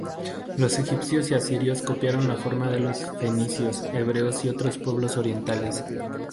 De egipcios y asirios copiaron la forma los fenicios, hebreos y otros pueblos orientales.